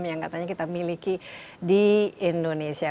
yang katanya kita miliki di indonesia